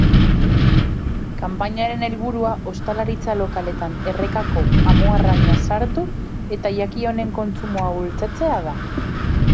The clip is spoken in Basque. Kanpainaren helburua ostalaritza lokaletan errekako amuarraina sartu eta jaki honen kontsumoa bultzatzea da.